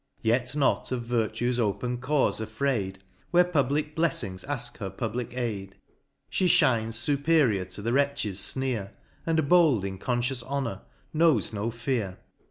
— Yet not of Virtue's open caufe afraid, Where public bleflings afk her public aid, She fhines fuperior to the wretch's fneer. And bold in confcious honour, knows no fear.